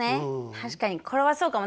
確かにこれはそうかも。